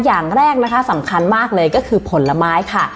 อย่างแรกนะคะสำคัญมากเลยก็คือผลไม้ค่ะ